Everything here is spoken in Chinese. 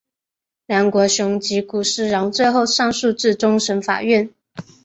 梁国雄及古思尧最后上诉至终审法院。